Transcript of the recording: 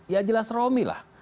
ya jelas romi lah